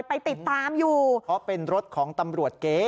ไปติดตามอยู่เพราะเป็นรถของตำรวจเก๊